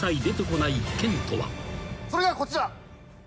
それがこちら。